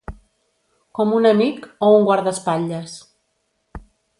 Com un amic, o un guardaespatlles